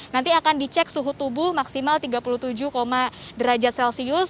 nanti akan dicek suhu tubuh maksimal tiga puluh tujuh derajat celcius